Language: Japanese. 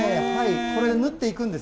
これで縫っていくんです。